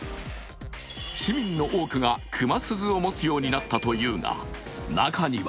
市民の多くが熊鈴を持つようになったというが中には